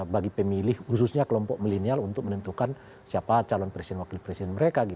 bagi pemilih khususnya kelompok milenial untuk menentukan siapa calon presiden wakil presiden mereka